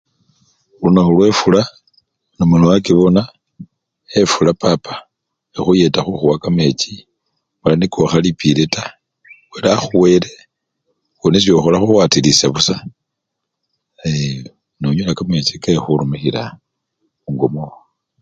Lunakhu lwefula onamala wakibona, efula papa ekhuyeta khukhuwa kamechi mala niko okhalipile taa, wele akhuwele, ewenisyo khola khuwatilisya busa ee! nonyola kamechi kekhurumikhila mungo mwowo.